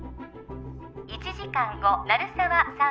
１時間後鳴沢さん